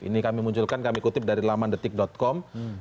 ini kami munculkan kami kutip dari lamandetik com